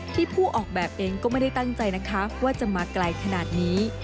ผู้ออกแบบเองก็ไม่ได้ตั้งใจนะคะว่าจะมาไกลขนาดนี้